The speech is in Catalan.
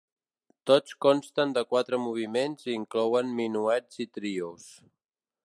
Tots consten de quatre moviments i inclouen minuets i trios.